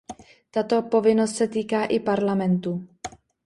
Tato povinnost se týká i Parlamentu.